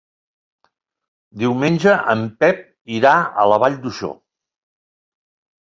Diumenge en Pep irà a la Vall d'Uixó.